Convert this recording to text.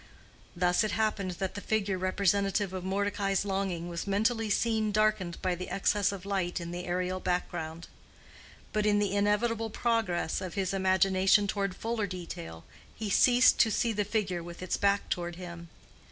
Thus it happened that the figure representative of Mordecai's longing was mentally seen darkened by the excess of light in the aerial background. But in the inevitable progress of his imagination toward fuller detail, he ceased to see the figure with its back toward him.